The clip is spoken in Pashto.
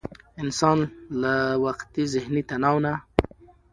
انسان له د وقتي ذهني تناو نه